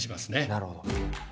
なるほど。